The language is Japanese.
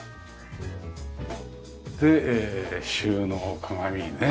で収納鏡ね。